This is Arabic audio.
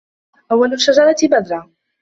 أول الشجرة بذرة